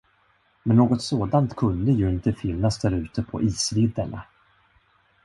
Men något sådant kunde ju inte finnas därute på isvidderna.